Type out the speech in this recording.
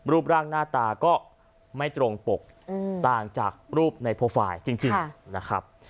รูปร่างหน้าตาก็ไม่ตรงปกต่างจากรูปในโปรไฟล์จริงนะครับ